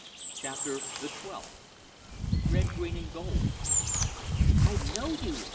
CHAPTER THE TWELFTH "RED, GREEN AND GOLD!" "I know you!"